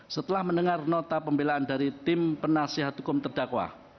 setelah mendengar nota pembelaan dari tim penasihat hukum terdakwa